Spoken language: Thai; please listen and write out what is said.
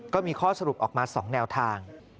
ก็มีข้อสรุปออกมา๒แนวทาง